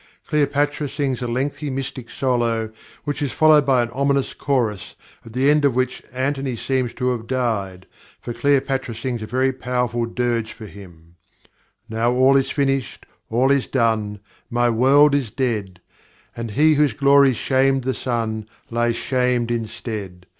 Cleopatra sings a lengthy mystic solo, which is followed by an ominous chorus, at the end of which Antony seems to have died, for Cleopatra sings a very powerful dirge for him: Now all is finished, all is done, My world is dead; And he whose glory shamed the sun Lies shamed instead.